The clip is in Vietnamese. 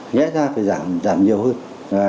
nhẽ ra phải giảm nhiều hơn